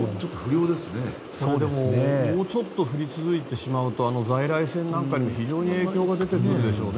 でももうちょっと降り続いてしまうと在来線なんかに非常に影響が出てくるでしょうね。